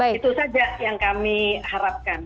itu saja yang kami harapkan